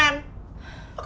gay yang mereka keren